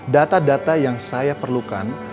data data yang saya perlukan